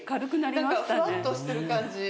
なんかふわっとしてる感じ。